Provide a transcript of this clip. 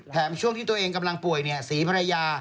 ช่วงที่ตัวเองกำลังป่วยศรีภรรยา